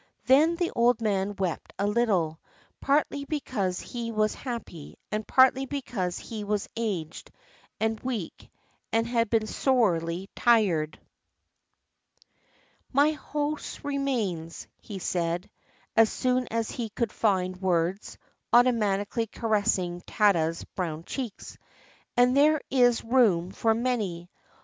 Then the old man wept a little, partly because he was happy, and partly because he was aged and weak and had been sorely tried. "My house remains," he said, as soon as he could find words, automatically caressing Tada's brown cheeks; "and there is room for many.